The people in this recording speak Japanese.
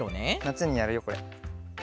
なつにやるよこれ。